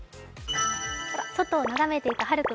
外をながめていたはる君